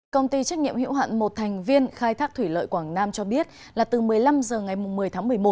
công ty trách nhiệm hữu hạn một thành viên khai thác thủy lợi quảng nam cho biết là từ một mươi năm h ngày một mươi tháng một mươi một